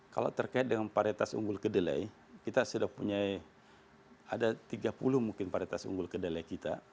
kalau terkait dengan paritas unggul kedelai kita sudah punya ada tiga puluh mungkin paritas unggul kedelai kita